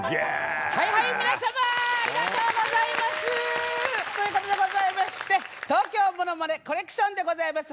はいはい皆様ありがとうございます！ということでございまして「東京ものまねコレクション」でございます